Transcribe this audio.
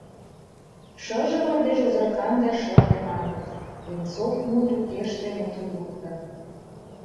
— Шыже мардеж озыркан да шыде, маныт, — Венцов мут укеште мутым лукто.